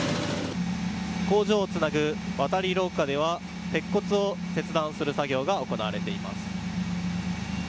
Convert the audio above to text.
工場をつなぐ渡り廊下では鉄骨を切断する作業が行われています。